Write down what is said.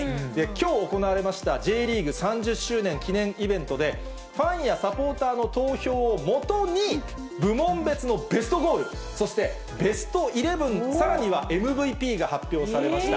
きょう行われました、Ｊリーグ３０周年記念イベントで、ファンやサポーターの投票を基に、部門別のベストゴール、そしてベストイレブン、さらにはＭＶＰが発表されました。